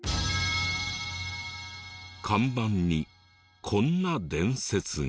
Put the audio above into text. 看板にこんな伝説が。